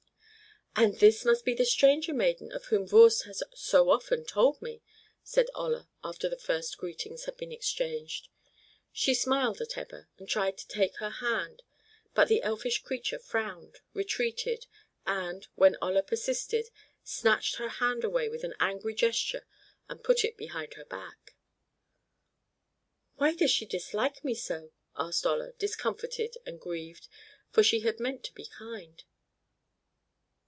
"And this must be the stranger maiden of whom Voorst has so often told me," said Olla after the first greetings had been exchanged. She smiled at Ebba, and tried to take her hand, but the elfish creature frowned, retreated, and, when Olla persisted, snatched her hand away with an angry gesture and put it behind her back. "Why does she dislike me so?" asked Olla, discomfited and grieved, for she had meant to be kind.